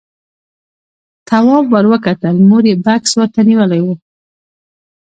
تواب ور وکتل، مور يې بکس ورته نيولی و.